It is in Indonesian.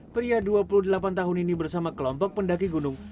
pria dua puluh delapan tahun ini bersama kelompok pendaki gunung